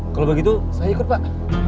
kalau begitu saya ikut pak